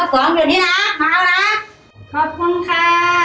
ขอบคุณค่ะ